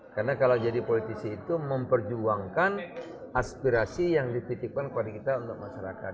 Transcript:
karena kalau jadi politisi itu memperjuangkan aspirasi yang dipitipkan kepada kita untuk masyarakat